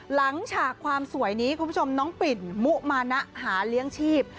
ฉากความสวยนี้คุณผู้ชมน้องปิ่นมุมานะหาเลี้ยงชีพ